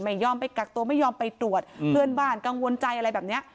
ไม่ยอมไปกักตัวไม่ยอมไปตรวจเพื่อนบ้านกังวลใจอะไรแบบเนี้ย